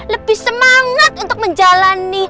lebih semangat untuk menjalani